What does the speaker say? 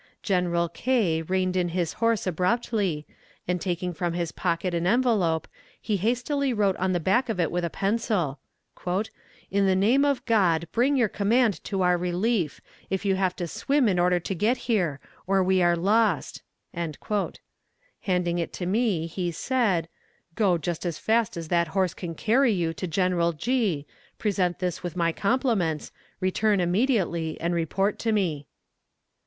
General K. reined in his horse abruptly, and taking from his pocket an envelope, he hastily wrote on the back of it with a pencil "In the name of God bring your command to our relief, if you have to swim in order to get here or we are lost." Handing it to me he said "Go just as fast as that horse can carry you to General G., present this with my compliments, return immediately, and report to me."